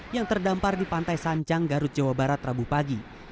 yang terdampar di pantai sancang garut jawa barat rabu pagi